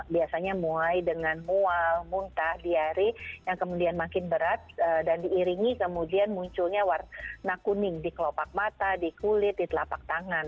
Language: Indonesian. biasanya mulai dengan mual muntah diari yang kemudian makin berat dan diiringi kemudian munculnya warna kuning di kelopak mata di kulit di telapak tangan